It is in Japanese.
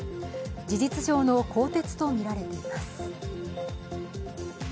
事実上の更迭とみられています。